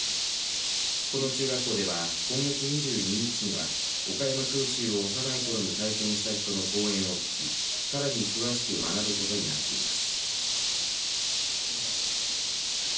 この中学校では今月２２日には岡山空襲を幼い頃に体験した人の講演を聞きさらに詳しく学ぶことになっています。